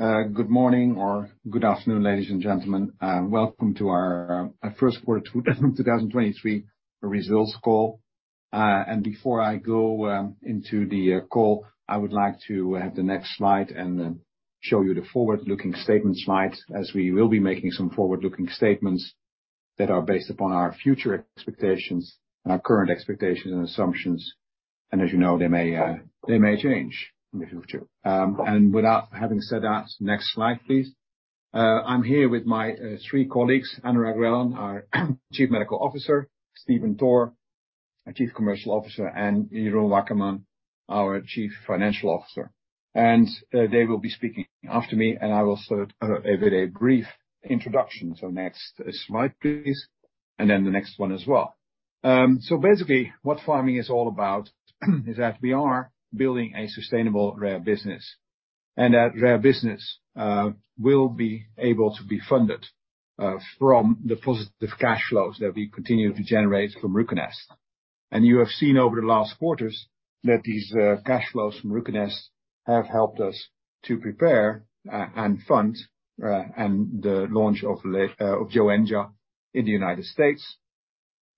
Good morning or good afternoon, ladies and gentlemen. Welcome to our first quarter 2023 results call. Before I go into the call, I would like to have the next slide and then show you the forward-looking statement slide as we will be making some forward-looking statements that are based upon our future expectations and our current expectations and assumptions. As you know, they may change in the future. Without having said that, next slide, please. I'm here with my three colleagues, Anurag Relan, our Chief Medical Officer, Stephen Toor, our Chief Commercial Officer, and Jeroen Wakkerman, our Chief Financial Officer. They will be speaking after me, and I will start with a brief introduction. Next slide, please. The next one as well. Basically what Pharming is all about is that we are building a sustainable rare business. That rare business will be able to be funded from the positive cash flows that we continue to generate from RUCONEST. You have seen over the last quarters that these cash flows from RUCONEST have helped us to prepare and fund the launch of Joenja in the United States,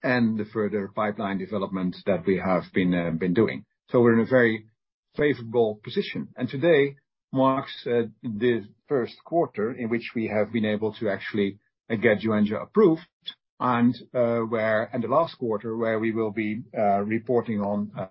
and the further pipeline development that we have been doing. We're in a very favorable position. Today marks the first quarter in which we have been able to actually get Joenja approved and the last quarter where we will be reporting on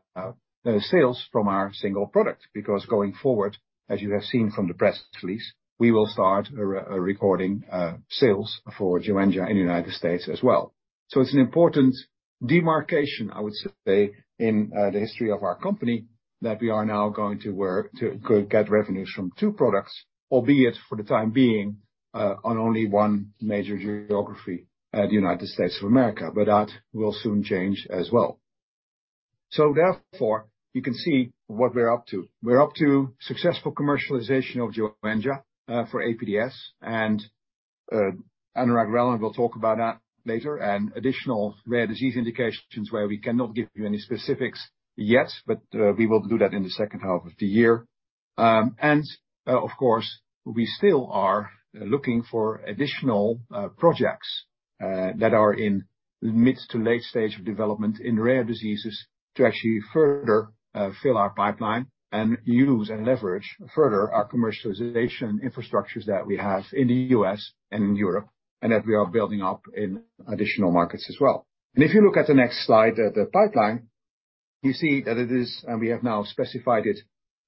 sales from our single product. Going forward, as you have seen from the press release, we will start recording sales for Joenja in the United States as well. It's an important demarcation, I would say, in the history of our company that we are now going to work to get revenues from 2 products, albeit for the time being, on only 1 major geography, the United States of America. That will soon change as well. Therefore, you can see what we're up to. We're up to successful commercialization of Joenja for APDS, and Anurag Relan will talk about that later, and additional rare disease indications where we cannot give you any specifics yet, but we will do that in the second half of the year. Of course, we still are looking for additional projects that are in mid to late stage of development in rare diseases to actually further fill our pipeline and use and leverage further our commercialization infrastructures that we have in the US and in Europe, and that we are building up in additional markets as well. If you look at the next slide, the pipeline, you see that it is. We have now specified it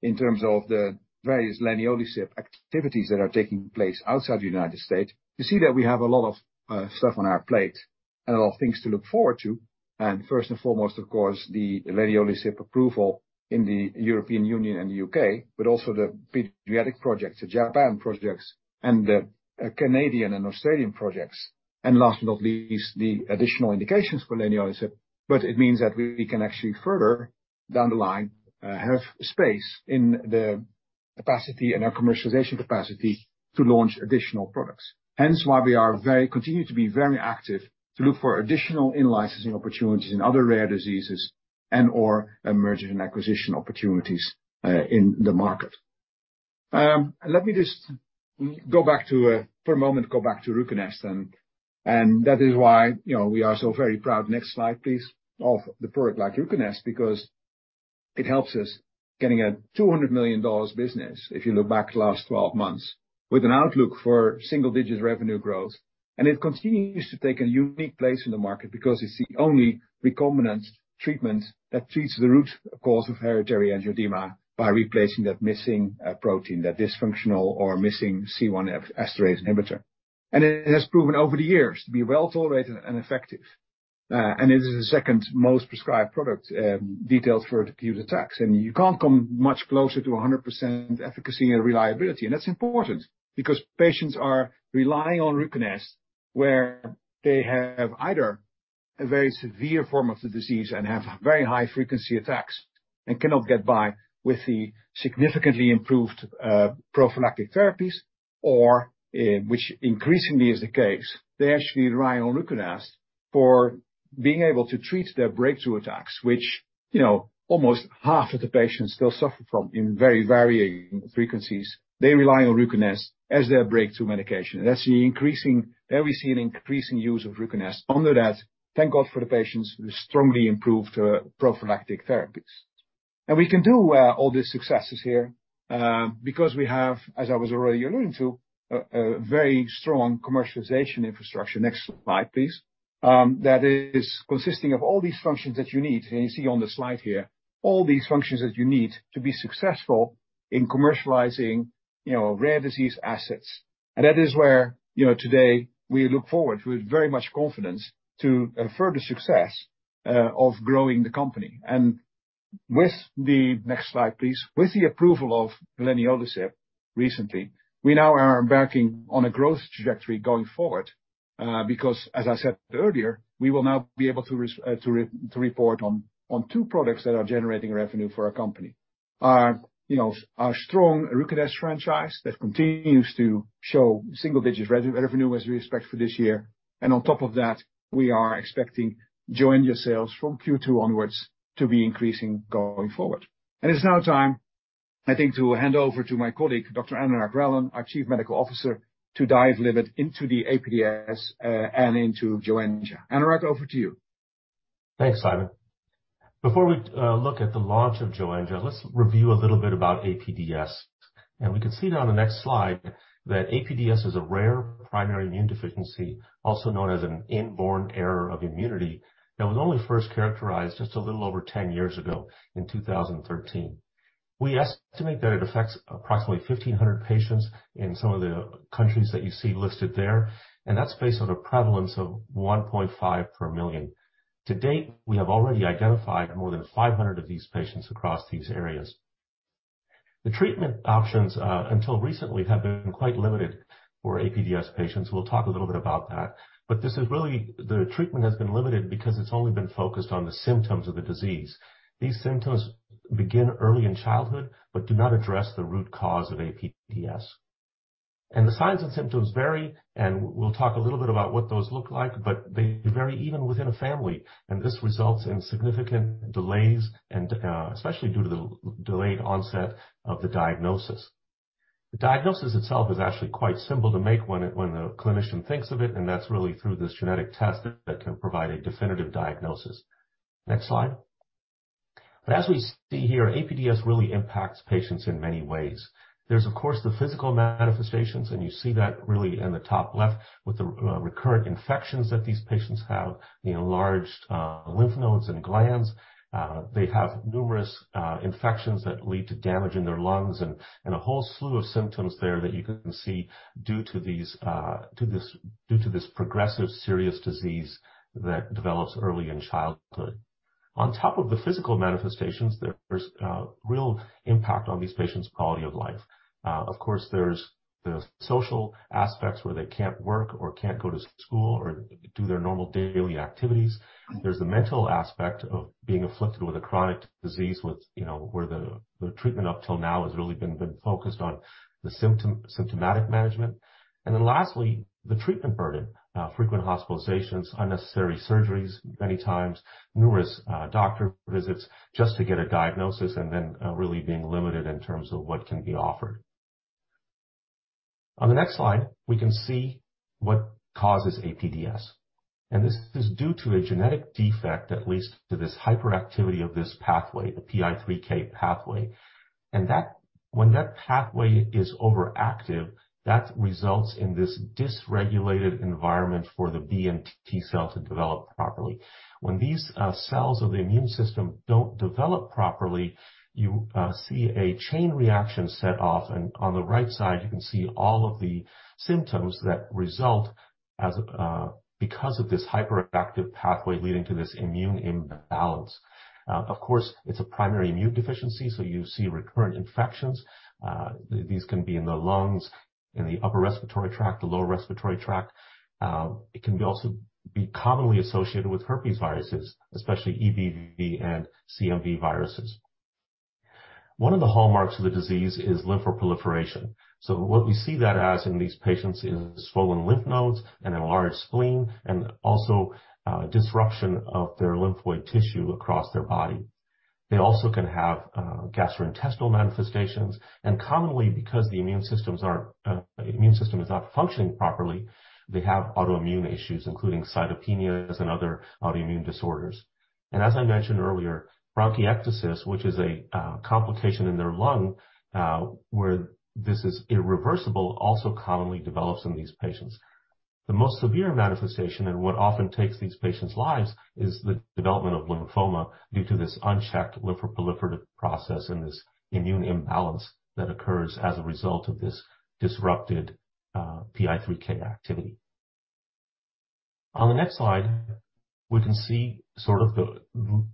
in terms of the various leniolisib activities that are taking place outside the United States. You see that we have a lot of stuff on our plate and a lot of things to look forward to. First and foremost, of course, the leniolisib approval in the European Union and the U.K., but also the pediatric projects, the Japan projects and the Canadian and Australian projects. Last but not least, the additional indications for leniolisib. It means that we can actually further down the line, have space in the capacity and our commercialization capacity to launch additional products, hence why we continue to be very active to look for additional in-licensing opportunities in other rare diseases and/or emerging acquisition opportunities in the market. Let me just go back to for a moment, go back to RUCONEST then. That is why, you know, we are so very proud, next slide, please, of the product like RUCONEST because it helps us getting a $200 million business, if you look back last 12 months, with an outlook for single-digit revenue growth. It continues to take a unique place in the market because it's the only recombinant treatment that treats the root cause of hereditary angioedema by replacing that missing protein, that dysfunctional or missing C1 esterase inhibitor. It has proven over the years to be well-tolerated and effective. It is the second most prescribed product, detailed for acute attacks. You can't come much closer to 100% efficacy and reliability. That's important because patients are relying on RUCONEST, where they have either a very severe form of the disease and have very high frequency attacks and cannot get by with the significantly improved prophylactic therapies. Which increasingly is the case, they actually rely on RUCONEST for being able to treat their breakthrough attacks, which, you know, almost half of the patients still suffer from in very varying frequencies. They rely on RUCONEST as their breakthrough medication. There we see an increasing use of RUCONEST. Under that, thank God for the patients with strongly improved prophylactic therapies. We can do all these successes here because we have, as I was already alluding to, a very strong commercialization infrastructure. Next slide, please. That is consisting of all these functions that you need. You see on the slide here, all these functions that you need to be successful in commercializing, you know, rare disease assets. That is where, you know, today we look forward with very much confidence to a further success of growing the company. With the next slide, please. With the approval of leniolisib recently, we now are embarking on a growth trajectory going forward because as I said earlier, we will now be able to report on two products that are generating revenue for our company. Our, you know, our strong RUCONEST franchise that continues to show single-digit revenue as we expect for this year. On top of that, we are expecting Joenja sales from Q2 onwards to be increasing going forward. It's now time, I think, to hand over to my colleague, Dr. Anurag Relan, our Chief Medical Officer, to dive a little bit into the APDS and into Joenja. Anurag, over to you. Thanks, Sijmen. Before we look at the launch of Joenja, let's review a little bit about APDS. We can see it on the next slide that APDS is a rare primary immune deficiency, also known as an inborn error of immunity that was only first characterized just a little over 10 years ago in 2013. We estimate that it affects approximately 1,500 patients in some of the countries that you see listed there, and that's based on a prevalence of 1.5 per million. To date, we have already identified more than 500 of these patients across these areas. The treatment options, until recently have been quite limited for APDS patients. We'll talk a little bit about that. The treatment has been limited because it's only been focused on the symptoms of the disease. These symptoms begin early in childhood, do not address the root cause of APDS. The signs and symptoms vary, and we'll talk a little bit about what those look like, but they vary even within a family, and this results in significant delays, especially due to the delayed onset of the diagnosis. The diagnosis itself is actually quite simple to make when the clinician thinks of it, that's really through this genetic test that can provide a definitive diagnosis. Next slide. As we see here, APDS really impacts patients in many ways. There's of course, the physical manifestations, and you see that really in the top left with the recurrent infections that these patients have, the enlarged lymph nodes and glands. They have numerous infections that lead to damage in their lungs and a whole slew of symptoms there that you can see due to these, due to this progressive serious disease that develops early in childhood. On top of the physical manifestations, there's real impact on these patients' quality of life. Of course, there's the social aspects where they can't work or can't go to school or do their normal daily activities. There's the mental aspect of being afflicted with a chronic disease with, you know, where the treatment up till now has really been focused on the symptom, symptomatic management. Lastly, the treatment burden. Frequent hospitalizations, unnecessary surgeries, many times, numerous doctor visits just to get a diagnosis and then really being limited in terms of what can be offered. On the next slide, we can see what causes APDS. This is due to a genetic defect that leads to this hyperactivity of this pathway, the PI3K pathway. When that pathway is overactive, that results in this dysregulated environment for the B and T cells to develop properly. When these cells of the immune system don't develop properly, you see a chain reaction set off. On the right side, you can see all of the symptoms that result as because of this hyperactive pathway leading to this immune imbalance. Of course, it's a primary immune deficiency, so you see recurrent infections. These can be in the lungs, in the upper respiratory tract, the lower respiratory tract. It can also be commonly associated with herpes viruses, especially EBV and CMV viruses. One of the hallmarks of the disease is lymphoproliferation. What we see that as in these patients is swollen lymph nodes and enlarged spleen, and also, disruption of their lymphoid tissue across their body. They also can have, gastrointestinal manifestations. Commonly, because the immune systems are, immune system is not functioning properly, they have autoimmune issues, including cytopenias and other autoimmune disorders. As I mentioned earlier, bronchiectasis, which is a, complication in their lung, where this is irreversible, also commonly develops in these patients. The most severe manifestation and what often takes these patients' lives is the development of lymphoma due to this unchecked lymphoproliferative process and this immune imbalance that occurs as a result of this disrupted, PI3K activity. On the next slide, we can see sort of the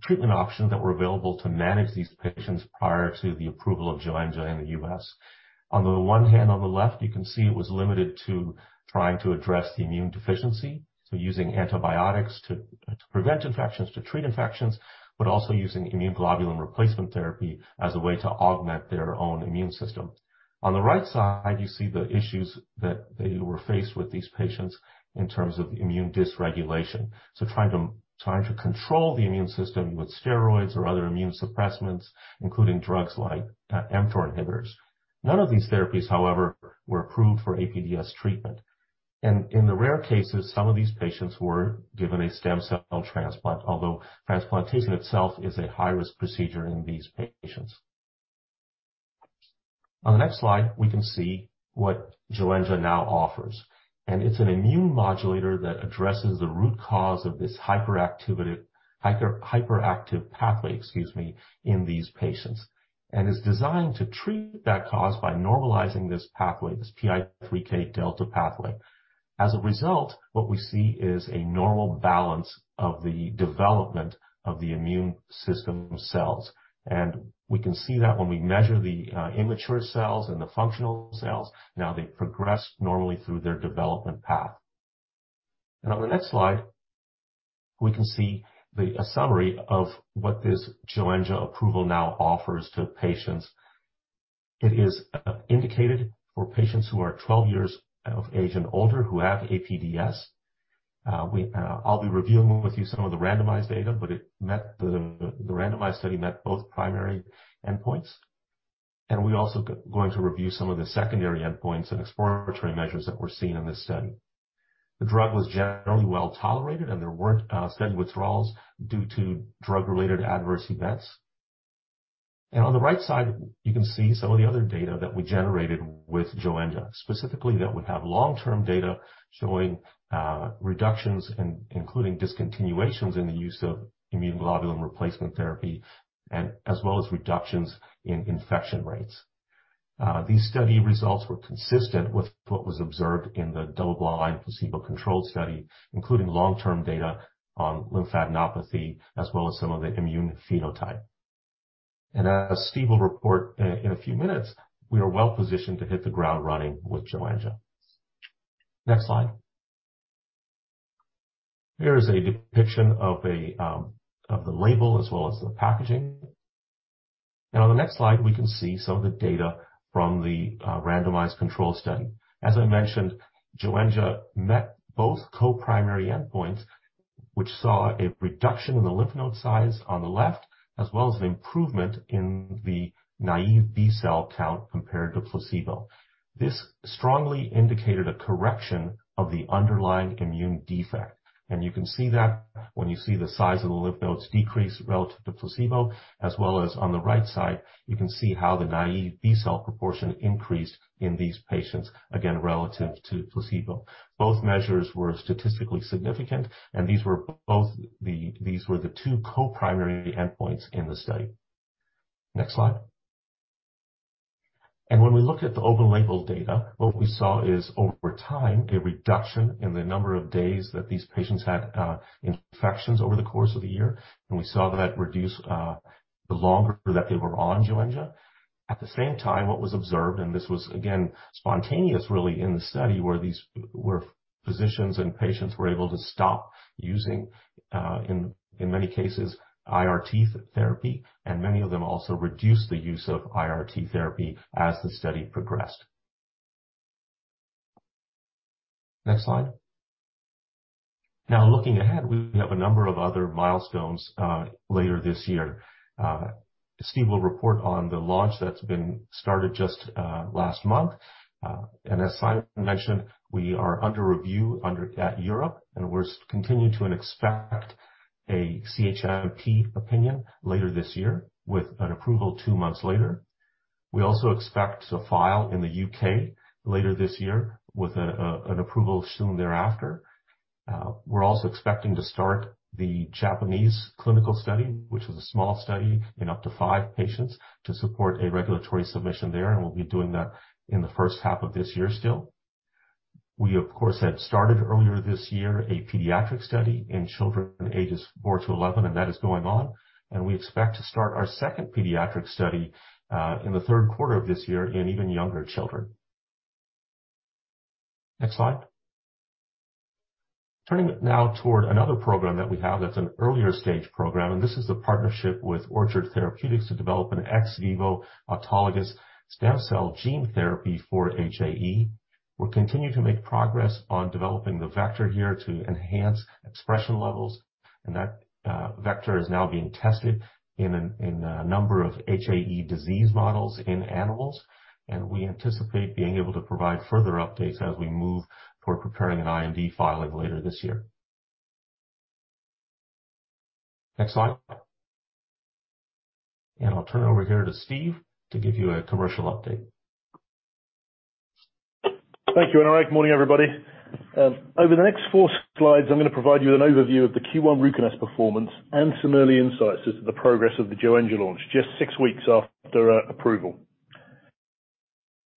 treatment options that were available to manage these patients prior to the approval of Joenja in the U.S. On the one hand, on the left, you can see it was limited to trying to address the immune deficiency. Using antibiotics to prevent infections, to treat infections, but also using immunoglobulin replacement therapy as a way to augment their own immune system. On the right side, you see the issues that they were faced with these patients in terms of immune dysregulation. Trying to control the immune system with steroids or other immune suppressants, including drugs like mTOR inhibitors. None of these therapies, however, were approved for APDS treatment. In the rare cases, some of these patients were given a stem cell transplant, although transplantation itself is a high-risk procedure in these patients. On the next slide, we can see what Joenja now offers, and it's an immune modulator that addresses the root cause of this hyperactivity, hyperactive pathway, excuse me, in these patients, and is designed to treat that cause by normalizing this pathway, this PI3K delta pathway. As a result, what we see is a normal balance of the development of the immune system cells. We can see that when we measure the immature cells and the functional cells, now they progress normally through their development path. On the next slide, we can see the summary of what this Joenja approval now offers to patients. It is indicated for patients who are 12 years of age and older who have APDS. We, I'll be reviewing with you some of the randomized data, it met the randomized study met both primary endpoints. We're also going to review some of the secondary endpoints and exploratory measures that were seen in this study. The drug was generally well-tolerated, and there weren't study withdrawals due to drug-related adverse events. On the right side, you can see some of the other data that we generated with Joenja, specifically that would have long-term data showing reductions in including discontinuations in the use of immunoglobulin replacement therapy, and as well as reductions in infection rates. These study results were consistent with what was observed in the double-blind placebo-controlled study, including long-term data on lymphadenopathy, as well as some of the immune phenotype. As Steve will report in a few minutes, we are well-positioned to hit the ground running with Joenja. Next slide. Here is a depiction of the label as well as the packaging. On the next slide, we can see some of the data from the randomized control study. As I mentioned, Joenja met both co-primary endpoints, which saw a reduction in the lymph node size on the left, as well as an improvement in the naive B cell count compared to placebo. This strongly indicated a correction of the underlying immune defect, and you can see that when you see the size of the lymph nodes decrease relative to placebo, as well as on the right side, you can see how the naive B cell proportion increased in these patients, again, relative to placebo. Both measures were statistically significant, and these were the two co-primary endpoints in the study. Next slide. When we look at the open label data, what we saw is over time, a reduction in the number of days that these patients had infections over the course of the year. We saw that reduce the longer that they were on Joenja. At the same time, what was observed, and this was again, spontaneous really in the study, where these, where physicians and patients were able to stop using in many cases, IRT therapy, and many of them also reduced the use of IRT therapy as the study progressed. Next slide. Now looking ahead, we have a number of other milestones later this year. Steve will report on the launch that's been started just last month. As Sijmen mentioned, we are under review under, at Europe, and we're continuing to expect a CHMP opinion later this year with an approval 2 months later. We also expect to file in the UK later this year with an approval soon thereafter. We're also expecting to start the Japanese clinical study, which is a small study in up to 5 patients to support a regulatory submission there, and we'll be doing that in the first half of this year still. We, of course, had started earlier this year a pediatric study in children ages 4 to 11, and that is going on. We expect to start our second pediatric study in the third quarter of this year in even younger children. Next slide. Turning now toward another program that we have that's an earlier stage program. This is the partnership with Orchard Therapeutics to develop an ex vivo autologous stem cell gene therapy for HAE. We're continuing to make progress on developing the vector here to enhance expression levels. That vector is now being tested in a number of HAE disease models in animals. We anticipate being able to provide further updates as we move toward preparing an IND filing later this year. Next slide. I'll turn it over here to Steve to give you a commercial update. Thank you, and all right. Good morning, everybody. Over the next four slides, I'm going to provide you an overview of the Q1 RUCONEST performance and some early insights into the progress of the Joenja launch just six weeks after approval.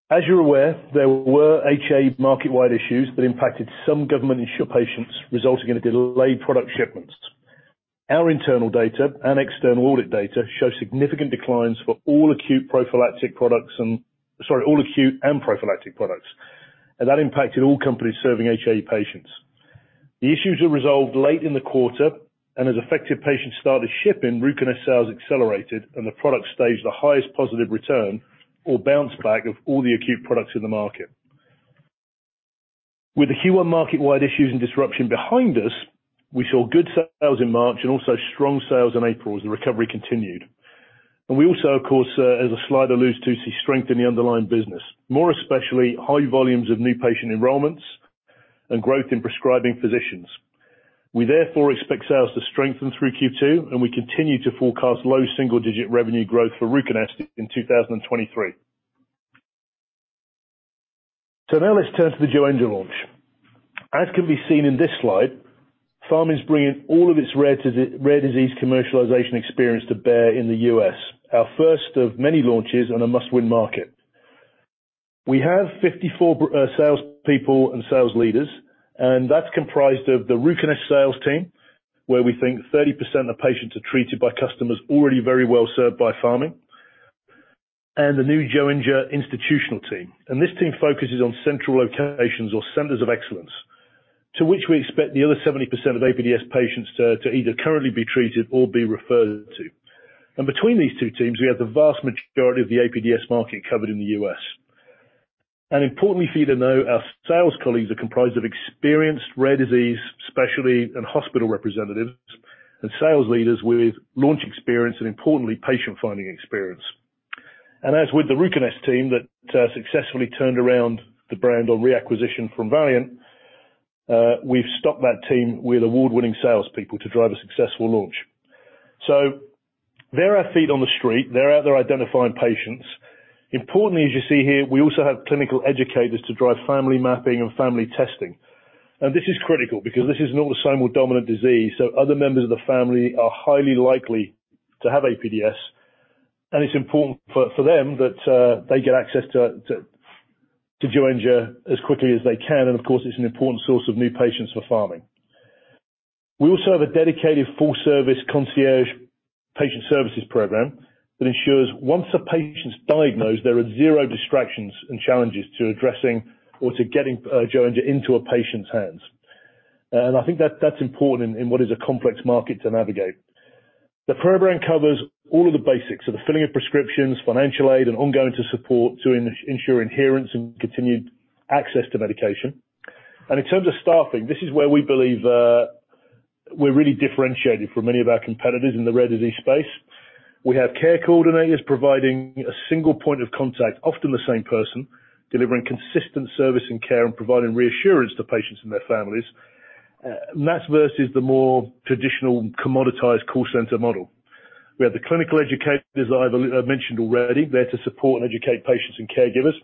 As you're aware, there were HAE market-wide issues that impacted some government insured patients, resulting in delayed product shipments. Our internal data and external audit data show significant declines for all acute and prophylactic products. That impacted all companies serving HAE patients. The issues were resolved late in the quarter, and as effective patients started shipping, RUCONEST sales accelerated, and the product staged the highest positive return or bounce back of all the acute products in the market. With the Q1 market-wide issues and disruption behind us, we saw good sales in March and also strong sales in April as the recovery continued. We also, of course, as the slide alludes to, see strength in the underlying business, more especially high volumes of new patient enrollments and growth in prescribing physicians. We therefore expect sales to strengthen through Q2, and we continue to forecast low single-digit revenue growth for RUCONEST in 2023. Now let's turn to the Joenja launch. As can be seen in this slide, Pharming is bringing all of its rare disease commercialization experience to bear in the US, our first of many launches on a must-win market. We have 54 salespeople and sales leaders, and that's comprised of the RUCONEST sales team, where we think 30% of patients are treated by customers already very well served by Pharming. The new Joenja institutional team. This team focuses on central locations or centers of excellence, to which we expect the other 70% of APDS patients to either currently be treated or be referred to. Between these two teams, we have the vast majority of the APDS market covered in the U.S. Importantly for you to know, our sales colleagues are comprised of experienced, rare disease, specialty, and hospital representatives and sales leaders with launch experience and importantly, patient-finding experience. As with the RUCONEST team that successfully turned around the brand on reacquisition from Valeant, we've stocked that team with award-winning salespeople to drive a successful launch. They're our feet on the street. They're out there identifying patients. Importantly, as you see here, we also have clinical educators to drive family mapping and family testing. This is critical because this is an autosomal dominant disease, so other members of the family are highly likely to have APDS, and it's important for them that they get access to Joenja as quickly as they can. Of course, it's an important source of new patients for Pharming. We also have a dedicated full-service concierge patient services program that ensures once a patient's diagnosed, there are zero distractions and challenges to addressing or to getting Joenja into a patient's hands. I think that's important in what is a complex market to navigate. The program covers all of the basics. The filling of prescriptions, financial aid, and ongoing to support to ensure adherence and continued access to medication. In terms of staffing, this is where we believe we're really differentiated from many of our competitors in the rare disease space. We have care coordinators providing a single point of contact, often the same person, delivering consistent service and care and providing reassurance to patients and their families. That's versus the more traditional commoditized call center model. We have the clinical educators I've mentioned already, there to support and educate patients and caregivers.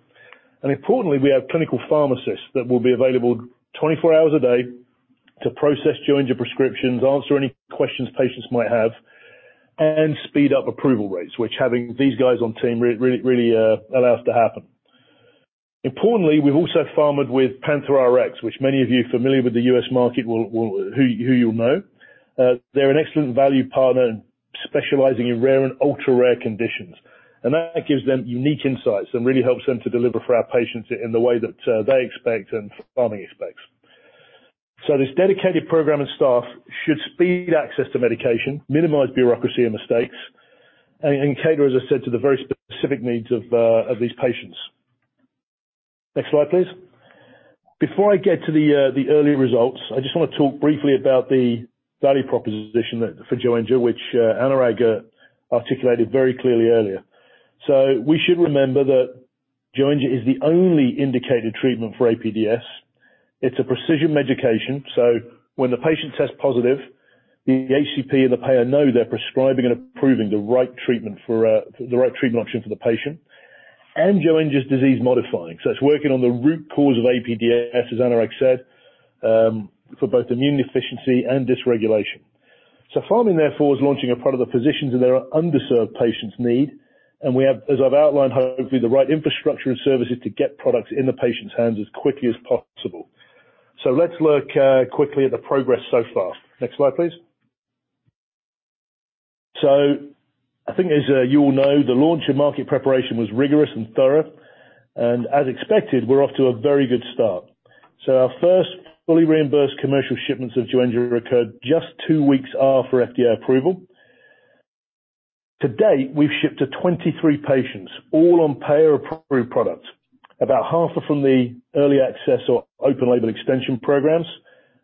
Importantly, we have clinical pharmacists that will be available 24 hours a day to process Joenja prescriptions, answer any questions patients might have, and speed up approval rates, which having these guys on team really, really allow us to happen. Importantly, we've also partnered with PANTHERx RX, which many of you familiar with the U.S. market who you'll know. They're an excellent value partner specializing in rare and ultra-rare conditions. That gives them unique insights and really helps them to deliver for our patients in the way that they expect and Pharming expects. This dedicated program and staff should speed access to medication, minimize bureaucracy and mistakes, and cater, as I said, to the very specific needs of these patients. Next slide, please. Before I get to the early results, I just wanna talk briefly about the value proposition that, for Joenja, which Anurag articulated very clearly earlier. We should remember that Joenja is the only indicated treatment for APDS. It's a precision medication, so when the patient tests positive, the HCP and the payer know they're prescribing and approving the right treatment for the right treatment option for the patient. Joenja's disease-modifying. It's working on the root cause of APDS, as Anurag said, for both immune deficiency and dysregulation. Pharming, therefore, is launching a product the physicians and their underserved patients need. We have, as I've outlined, hopefully the right infrastructure and services to get products in the patient's hands as quickly as possible. Let's look quickly at the progress so far. Next slide, please. I think as you all know, the launch and market preparation was rigorous and thorough, and as expected, we're off to a very good start. Our first fully reimbursed commercial shipments of Joenja occurred just two weeks after FDA approval. To date, we've shipped to 23 patients, all on payer-approved products. About half are from the early access or open-label extension programs,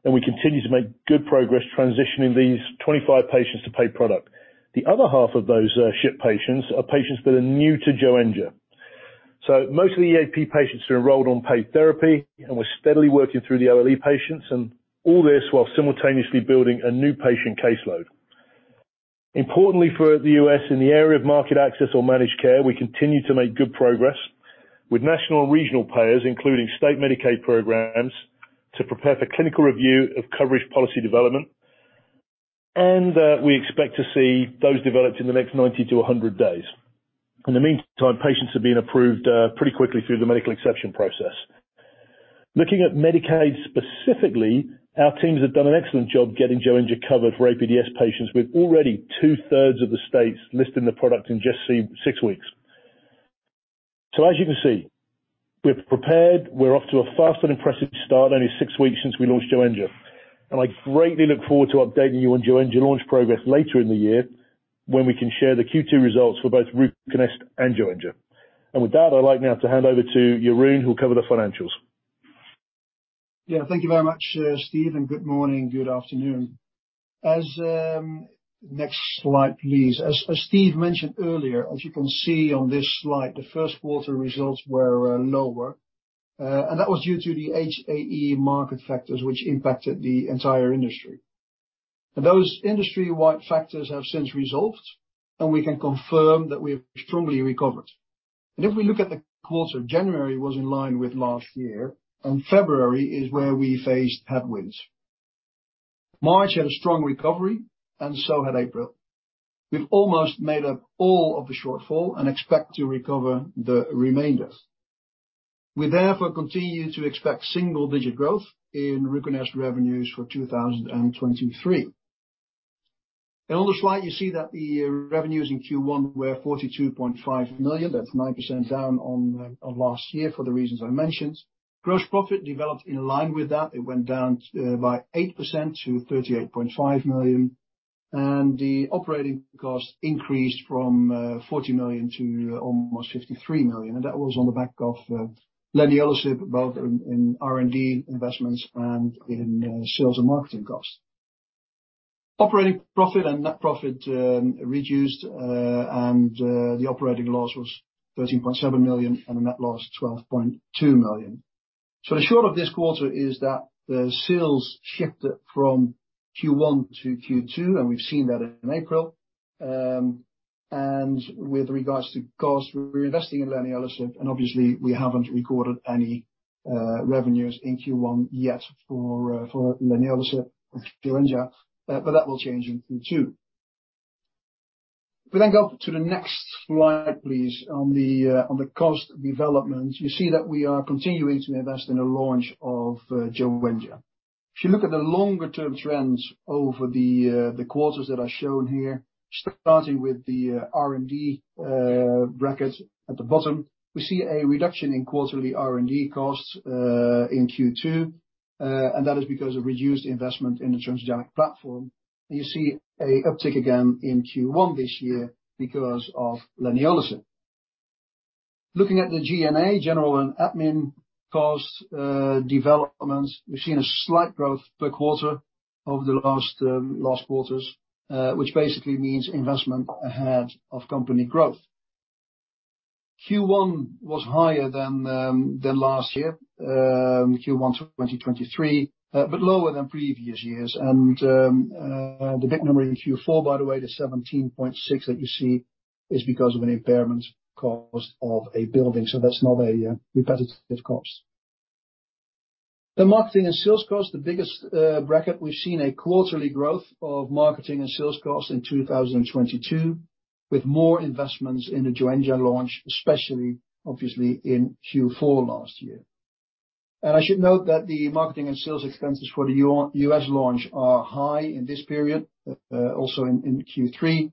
and we continue to make good progress transitioning these 25 patients to paid product. The other half of those shipped patients are patients that are new to Joenja. So most of the EAP patients are enrolled on paid therapy, and we're steadily working through the OLE patients and all this while simultaneously building a new patient caseload. Importantly for the US, in the area of market access or managed care, we continue to make good progress with national and regional payers, including state Medicaid programs, to prepare for clinical review of coverage policy development. We expect to see those developed in the next 90-100 days. In the meantime, patients are being approved pretty quickly through the medical exception process. Looking at Medicaid specifically, our teams have done an excellent job getting Joenja covered for APDS patients. We've already two-thirds of the states listing the product in just six weeks. As you can see, we're prepared, we're off to a fast and impressive start, only six weeks since we launched Joenja. I greatly look forward to updating you on Joenja launch progress later in the year when we can share the Q2 results for both RUCONEST and Joenja. With that, I'd like now to hand over to Jeroen, who'll cover the financials. Thank you very much, Steve, good morning, good afternoon. Next slide, please. As Steve mentioned earlier, as you can see on this slide, the first quarter results were lower. That was due to the HAE market factors which impacted the entire industry. Those industry-wide factors have since resolved, and we can confirm that we've strongly recovered. If we look at the quarter, January was in line with last year, and February is where we faced headwinds. March had a strong recovery and so had April. We've almost made up all of the shortfall and expect to recover the remainder. We therefore continue to expect single-digit growth in RUCONEST revenues for 2023. On this slide, you see that the revenues in Q1 were $42.5 million. That's 9% down on last year for the reasons I mentioned. Gross profit developed in line with that. It went down by 8% to $38.5 million. The operating costs increased from $40 million to almost $53 million, and that was on the back of leniolisib, both in R&D investments and in sales and marketing costs. Operating profit and net profit reduced, and the operating loss was $13.7 million, and the net loss $12.2 million. The short of this quarter is that the sales shifted from Q1 to Q2, and we've seen that in April. With regards to costs, we're investing in leniolisib, and obviously we haven't recorded any revenues in Q1 yet for leniolisib or JOENJA, but that will change in Q2. We then go to the next slide, please, on the cost development. You see that we are continuing to invest in the launch of Joenja. You look at the longer term trends over the quarters that are shown here, starting with the R&D brackets at the bottom, we see a reduction in quarterly R&D costs in Q2, that is because of reduced investment in the transgenic platform. You see a uptick again in Q1 this year because of leniolisib. Looking at the G&A, general & admin cost, developments, we've seen a slight growth per quarter over the last last quarters, which basically means investment ahead of company growth. Q1 was higher than than last year, Q1 of 2023, lower than previous years. The big number in Q4, by the way, the $17.6 that you see is because of an impairment cost of a building. That's not a repetitive cost. The marketing and sales cost, the biggest bracket, we've seen a quarterly growth of marketing and sales cost in 2022, with more investments in the Joenja launch, especially obviously in Q4 last year. I should note that the marketing and sales expenses for the U.S. launch are high in this period, also in Q3.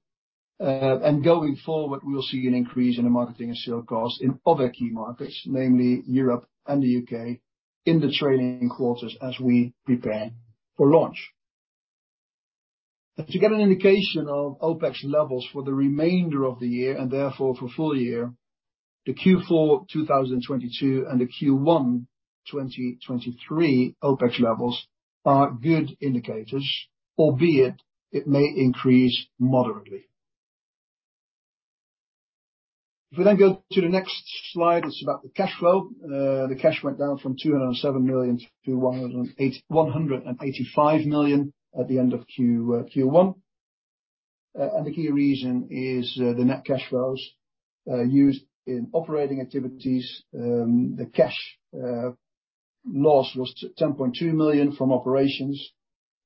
Going forward, we will see an increase in the marketing and sale cost in other key markets, namely Europe and the UK, in the trailing quarters as we prepare for launch. To get an indication of OPEX levels for the remainder of the year, therefore for full year, the Q4 of 2022 and the Q1 2023 OPEX levels are good indicators, albeit it may increase moderately. If we go to the next slide, it's about the cash flow. The cash went down from $207 million to $185 million at the end of Q1. The key reason is the net cash flows used in operating activities. The cash loss was $10.2 million from operations.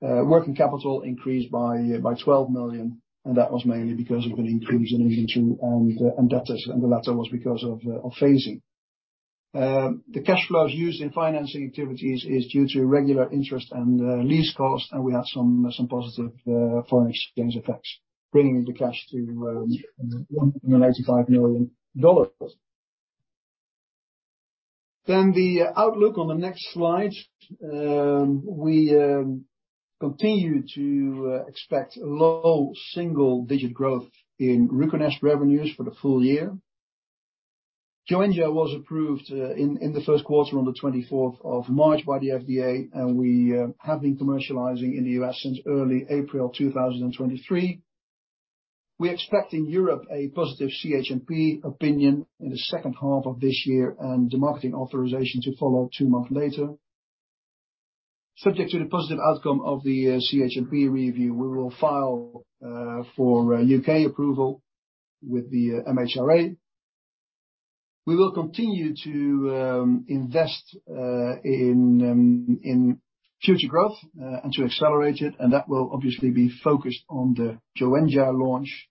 Working capital increased by $12 million, that was mainly because of an increase in inventory and debtors, the latter was because of phasing. The cash flows used in financing activities is due to regular interest and lease costs, and we had some positive foreign exchange effects, bringing the cash to $185 million. The outlook on the next slide. We continue to expect low single-digit growth in RUCONEST revenues for the full year. Joenja was approved in the first quarter on the 24th of March by the FDA, and we have been commercializing in the U.S. since early April 2023. We expect in Europe a positive CHMP opinion in the second half of this year and the marketing authorization to follow two months later. Subject to the positive outcome of the CHMP review, we will file for U.K. approval with the MHRA. We will continue to invest in future growth and to accelerate it, and that will obviously be focused on the Joenja launch.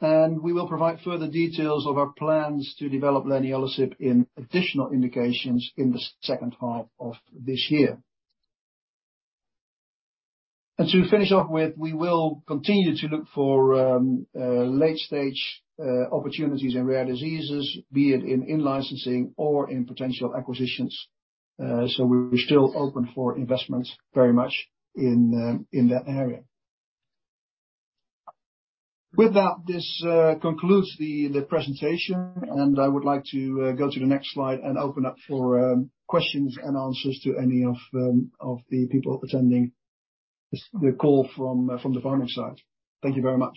We will provide further details of our plans to develop leniolisib in additional indications in the second half of this year. To finish off with, we will continue to look for late stage opportunities in rare diseases, be it in in-licensing or in potential acquisitions. We're still open for investments very much in that area. With that, this concludes the presentation, and I would like to go to the next slide and open up for questions and answers to any of the people attending the call from the Barnet side. Thank you very much.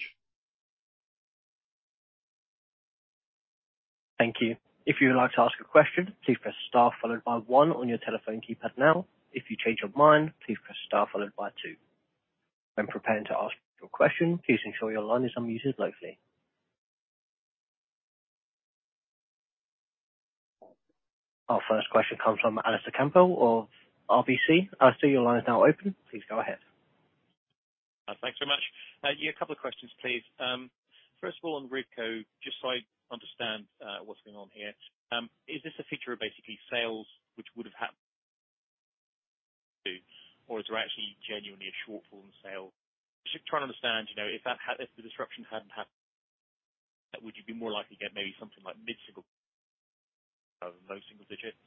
Thank you. If you would like to ask a question, please press star followed by 1 on your telephone keypad now. If you change your mind, please press star followed by 2. When preparing to ask your question, please ensure your line is unmuted locally. Our first question comes from Alistair Campbell of RBC. Alistair, your line is now open. Please go ahead. Thanks so much. Yeah, a couple of questions, please. First of all, on Rybka, just so I understand what's going on here. Is this a feature of basically sales which would have. Is there actually genuinely a shortfall in sales? Just trying to understand, you know, if the disruption hadn't happened, would you be more likely to get maybe something like mid-single rather than low single digits?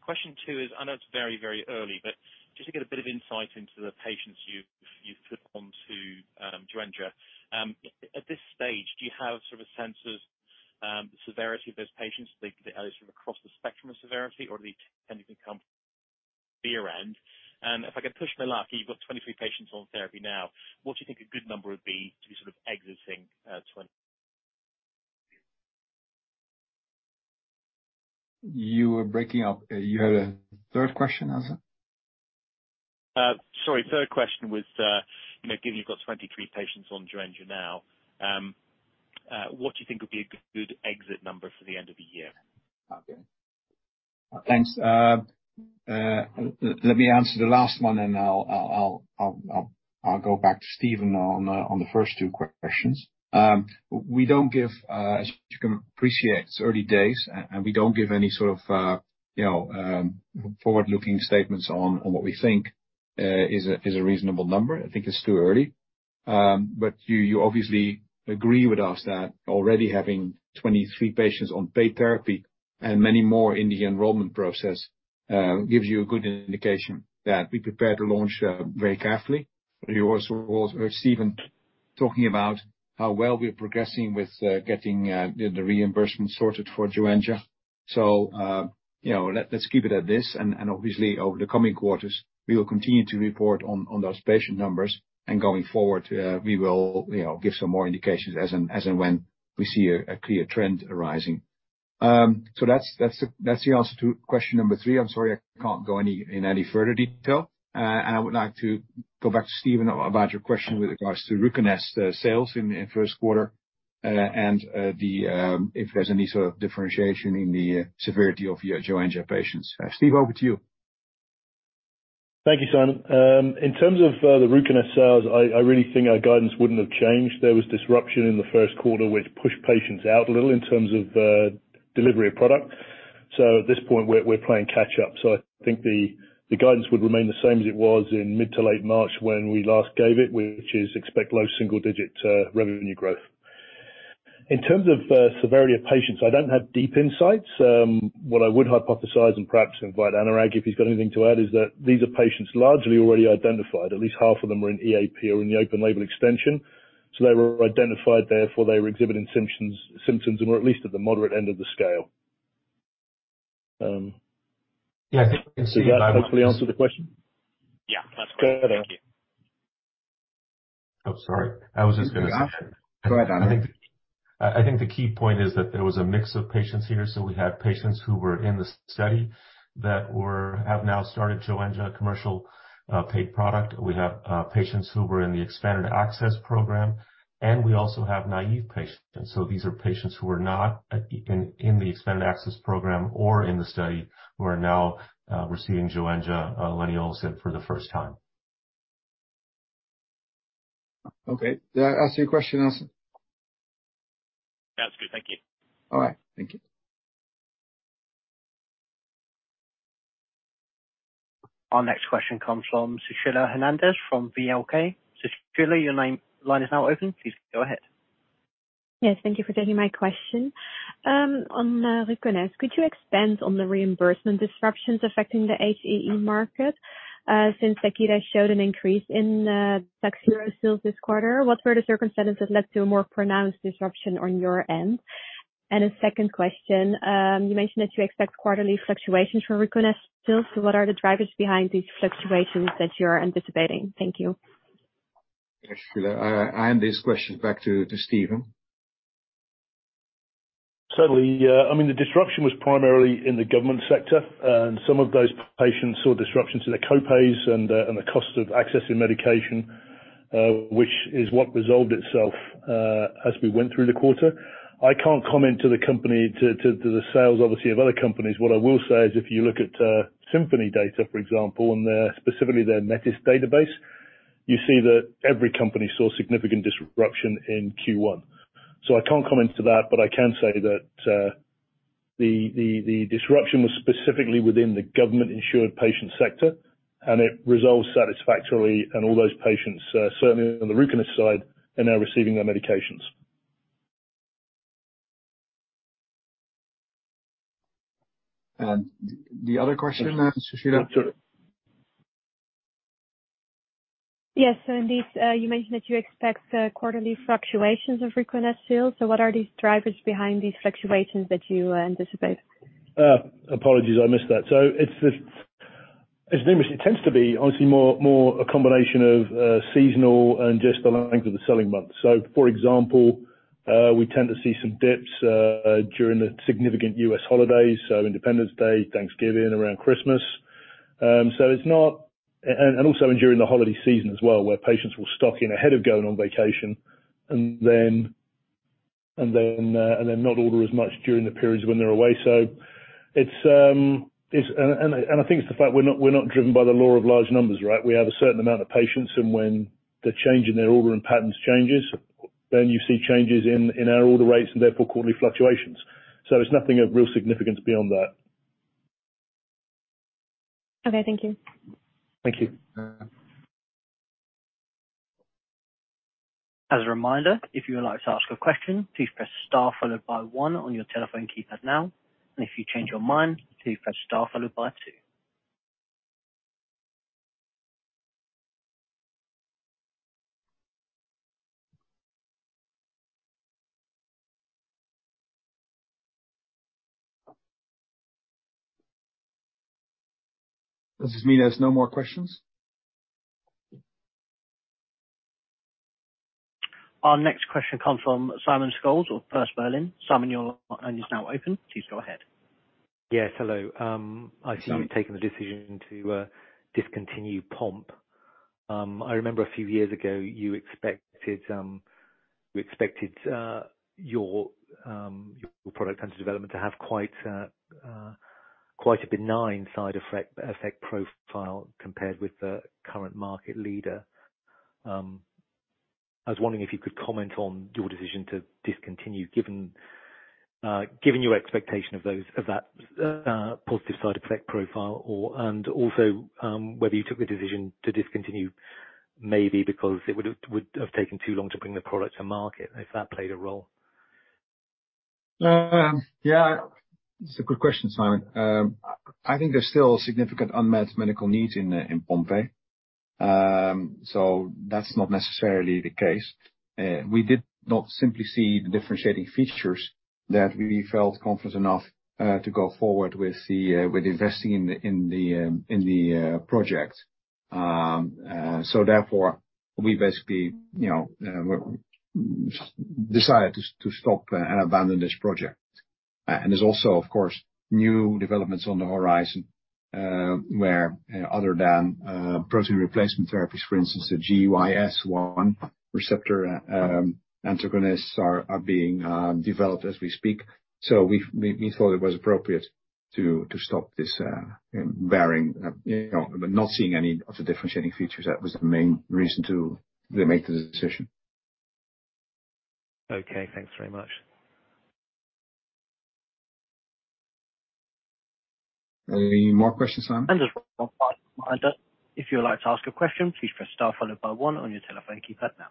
Question two is, I know it's very, very early, but just to get a bit of insight into the patients you've put onto Joenja. At this stage, do you have sort of a sense of the severity of those patients, like, are they sort of across the spectrum of severity or do they tend to be around. If I can push my luck, you've got 23 patients on therapy now. What do you think a good number would be to be sort of exiting, twenty- You were breaking up. You had a third question, Alistair? Sorry. Third question was, you know, given you've got 23 patients on Joenja now, what do you think would be a good exit number for the end of the year? Okay. Thanks. Let me answer the last one, and I'll go back to Stephen on the first two questions. We don't give... As you can appreciate, it's early days and we don't give any sort of, you know, forward-looking statements on what we think is a reasonable number. I think it's too early. But you obviously agree with us that already having 23 patients on paid therapy and many more in the enrollment process, gives you a good indication that we're prepared to launch very carefully. You also heard Stephen talking about how well we're progressing with getting the reimbursement sorted for Joenja. you know, let's keep it at this. Obviously, over the coming quarters, we will continue to report on those patient numbers. Going forward, we will, you know, give some more indications as and when we see a clear trend arising. That's the answer to question number 3. I'm sorry, I can't go in any further detail. I would like to go back to Stephen about your question with regards to RUCONEST sales in the first quarter, and the if there's any sort of differentiation in the severity of your Joenja patients. Steve, over to you. Thank you, Sijmen. In terms of the RUCONEST sales, I really think our guidance wouldn't have changed. There was disruption in the 1st quarter which pushed patients out a little in terms of delivery of product. At this point we're playing catch up. I think the guidance would remain the same as it was in mid to late March when we last gave it, which is expect low single-digit revenue growth. In terms of severity of patients, I don't have deep insights. What I would hypothesize, and perhaps invite Anurag Relan if he's got anything to add, is that these are patients largely already identified. At least half of them are in EAP, or in the open label extension. They were identified, therefore they were exhibiting symptoms and were at least at the moderate end of the scale. Yeah, I think we can see. Does that hopefully answer the question? Yeah. That's clear. Thank you. Oh, sorry. I was just gonna say... Go ahead, Anurag. I think the key point is that there was a mix of patients here. We had patients who were in the study that have now started Joenja commercial, paid product. We have patients who were in the Expanded Access Program, and we also have naive patients. These are patients who are not in the Expanded Access Program or in the study, who are now receiving Joenja, leniolisib for the first time. Okay. Does that answer your question, Alistair? That's good. Thank you. All right. Thank you. Our next question comes from Sushila Hernandez from Oppenheimer. Sushila, your line is now open. Please go ahead. Yes, thank you for taking my question. On RUCONEST. Could you expand on the reimbursement disruptions affecting the HAE market? Since Takeda showed an increase in Takhzyro sales this quarter, what were the circumstances that led to a more pronounced disruption on your end? A second question. You mentioned that you expect quarterly fluctuations from RUCONEST sales, so what are the drivers behind these fluctuations that you are anticipating? Thank you. Thanks, Sushila. I hand this question back to Stephen. Certainly. Yeah. I mean, the disruption was primarily in the government sector. And some of those patients saw disruptions to their co-pays and the cost of accessing medication, which is what resolved itself as we went through the quarter. I can't comment to the company to the sales obviously, of other companies. What I will say is, if you look at Symphony data, for example, and specifically their Metys database, you see that every company saw significant disruption in Q1. I can't comment to that, but I can say that the disruption was specifically within the government-insured patient sector, and it resolved satisfactorily and all those patients, certainly on the RUCONEST side, are now receiving their medications. The other question, Sushila? Yes. Indeed, you mentioned that you expect quarterly fluctuations of RUCONEST sales. What are these drivers behind these fluctuations that you anticipate? Apologies, I missed that. It's the... As named, it tends to be honestly more a combination of seasonal and just the length of the selling months. For example, we tend to see some dips during the significant U.S. holidays, so Independence Day, Thanksgiving, around Christmas. It's not. And also during the holiday season as well, where patients will stock in ahead of going on vacation and then, and then not order as much during the periods when they're away. It's. And I think it's the fact we're not, we're not driven by the law of large numbers, right? We have a certain amount of patients, and when the change in their ordering patterns changes- You see changes in our order rates and therefore quarterly fluctuations. There's nothing of real significance beyond that. Okay, thank you. Thank you. As a reminder, if you would like to ask a question, please press star followed by 1 on your telephone keypad now. If you change your mind, please press star followed by 2. Does this mean there's no more questions? Our next question comes from Simon Scholes of First Berlin. Simon, your line is now open. Please go ahead. Yes, hello. Simon. You've taken the decision to discontinue Pompe. I remember a few years ago, you expected, your product under development to have quite a benign side effect profile compared with the current market leader. I was wondering if you could comment on your decision to discontinue, given your expectation of that positive side effect profile and also, whether you took the decision to discontinue maybe because it would have taken too long to bring the product to market, if that played a role? Yeah. It's a good question, Simon. I think there's still significant unmet medical needs in Pompe. That's not necessarily the case. We did not simply see the differentiating features that we felt confident enough to go forward with investing in the project. Therefore, we basically, you know, decided to stop and abandon this project. There's also, of course, new developments on the horizon where other than protein replacement therapies, for instance, the GYS1 receptor antagonists are being developed as we speak. We thought it was appropriate to stop this, bearing, you know, but not seeing any of the differentiating features. That was the main reason to make the decision. Okay, thanks very much. Any more questions, Simon? Just a quick reminder. If you would like to ask a question, please press star followed by one on your telephone keypad now.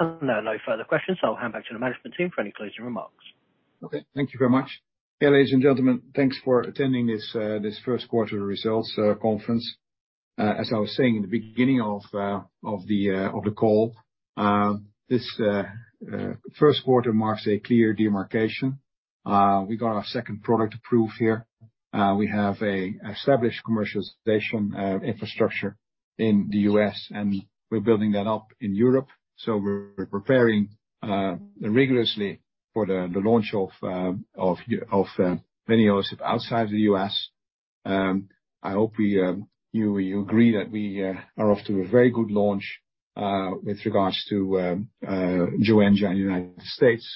No further questions. I'll hand back to the management team for any closing remarks. Okay, thank you very much. Yeah, ladies and gentlemen, thanks for attending this first quarter results conference. As I was saying in the beginning of the call, this first quarter marks a clear demarcation. We got our second product approved here. We have a established commercialization infrastructure in the U.S., and we're building that up in Europe. We're preparing rigorously for the launch of many of us outside of the U.S. I hope we, you agree that we are off to a very good launch with regards to Joenja in the United States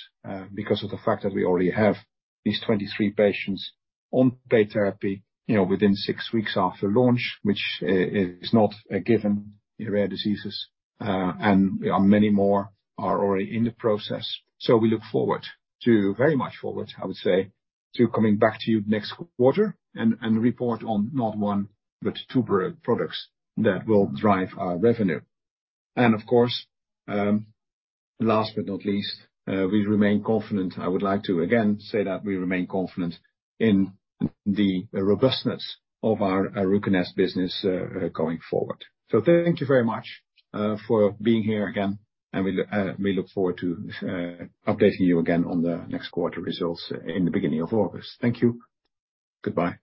because of the fact that we already have these 23 patients on pay therapy, you know, within 6 weeks after launch, which is not a given in rare diseases, and there are many more are already in the process. We look forward to Very much forward, I would say, to coming back to you next quarter and report on not 1, but 2 products that will drive our revenue. Of course, last but not least, we remain confident. I would like to again say that we remain confident in the robustness of our RUCONEST business going forward. Thank you very much, for being here again, and we look forward to updating you again on the next quarter results in the beginning of August. Thank you. Goodbye.